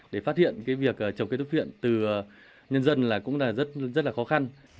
để phát hiện cái việc trồng cây thuốc viện từ nhân dân là cũng rất là khó khăn